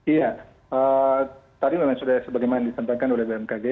iya tadi memang sudah sebagaimana disampaikan oleh bmkg